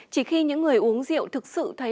chỉ khi những người uống rượu thực sự thấy